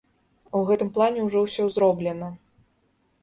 У гэтым плане ўжо ўсё зроблена.